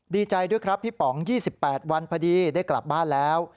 ดีใจด้วยครับพี่ป๋อง๒๘วันพอดีได้กลับบ้านแล้ว